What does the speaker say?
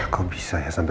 kok bisa ya sampai